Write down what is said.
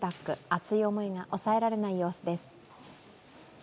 熱い思いが抑えられない様子です。